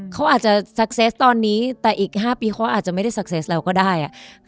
เขาอาจจะซักเซสตอนนี้แต่อีก๕ปีเขาอาจจะไม่ได้ซักเซสเราก็ได้